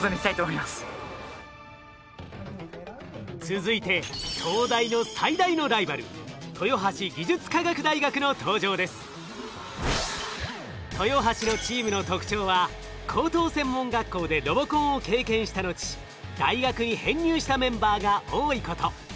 続いて東大の最大のライバル豊橋のチームの特徴は高等専門学校でロボコンを経験した後大学に編入したメンバーが多いこと。